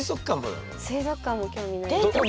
水族館も興味ないです。